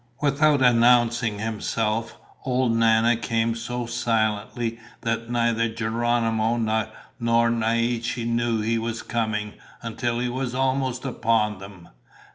Without announcing himself, old Nana came so silently that neither Geronimo nor Naiche knew he was coming until he was almost upon them.